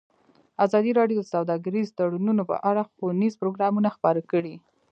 ازادي راډیو د سوداګریز تړونونه په اړه ښوونیز پروګرامونه خپاره کړي.